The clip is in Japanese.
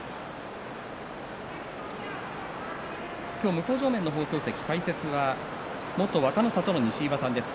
向正面の放送席の解説元若の里の西岩さんです。